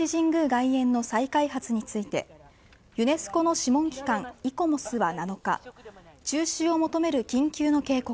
外苑の再開発についてユネスコの諮問機関イコモスは７日中止を求める緊急の警告